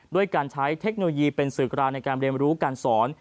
ด้วยการใช้เทคโนโลยีเป็นสื่อกลางในการเรียนรู้การสอน